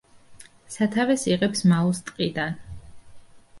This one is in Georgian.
სათავეს იღებს მაუს ტყიდან.